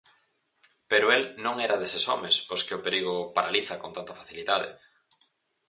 Pero el non era deses homes aos que o perigo paraliza con tanta facilidade.